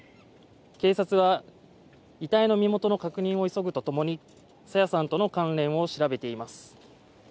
警察は遺体の身元の確認を急ぐとともに朝芽さんとの関連を調べています。